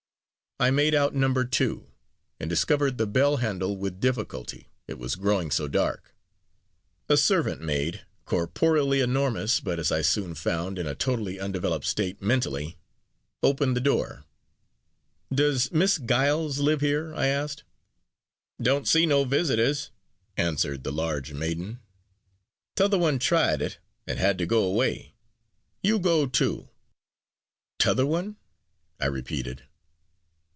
I made out Number Two, and discovered the bell handle with difficulty, it was growing so dark. A servant maid corporeally enormous; but, as I soon found, in a totally undeveloped state, mentally opened the door. "Does Miss Giles live here?" I asked. "Don't see no visitors," answered the large maiden. "'T'other one tried it and had to go away. You go, too." "'T'othor one?" I repeated.